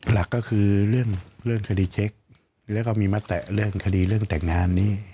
หลักก็คือเรื่องคดีเช็คแล้วก็มีมติเรื่องคดีเรื่องแต่งงานนี้